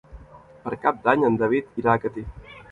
Per Cap d'Any en David irà a Catí.